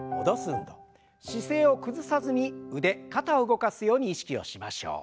姿勢を崩さずに腕肩を動かすように意識をしましょう。